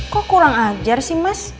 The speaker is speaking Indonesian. kok kurang ajar sih mas